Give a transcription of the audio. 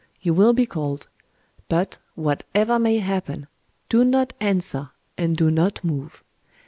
You will be called. But, whatever may happen, do not answer, and do not move.